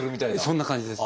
そんな感じです。